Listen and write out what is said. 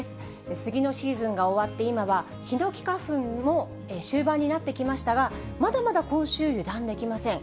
スギのシーズンが終わって、今はヒノキ花粉も終盤になってきましたが、まだまだ今週、油断できません。